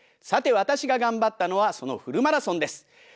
さてわたしががんばったのはそのフルマラソンです。